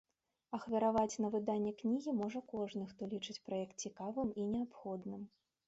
Ахвяраваць на выданне кнігі можа кожны, хто лічыць праект цікавым і неабходным.